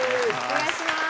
お願いします。